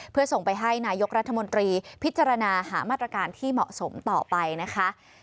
เพื่อส่งไปให้นายกรัฐมนตรีพิจารณาหามาตรการที่เหมาะสมต่อไปนะคะ